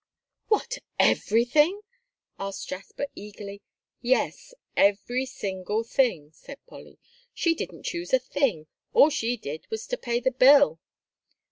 "What, everything?" asked Jasper, eagerly. "Yes, every single thing," said Polly. "She didn't choose a thing; all she did was to pay the bill."